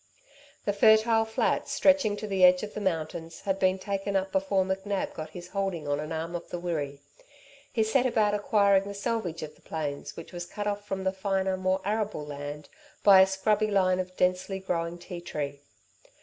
The fertile flats, stretching to the edge of the mountains, had been taken up before McNab got his holding on an arm of the Wirree. He set about acquiring the selvedge of the plains which was cut off from the finer, more arable land by a scrubby line of densely growing ti tree.